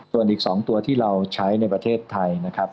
ส่วนอีก๒ตัวที่เราใช้ในประเทศไทยนะครับ